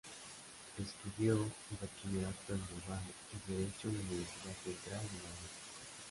Estudió el Bachillerato en Bilbao y Derecho en la Universidad Central de Madrid.